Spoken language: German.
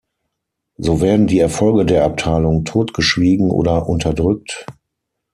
So werden die Erfolge der Abteilung totgeschwiegen oder unterdrückt.